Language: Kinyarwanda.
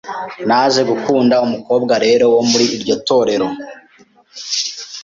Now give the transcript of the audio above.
Naje gukunda umukobwa rero wo muri iryo torero